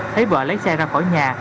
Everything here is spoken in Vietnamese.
thấy vợ lấy xe ra khỏi nhà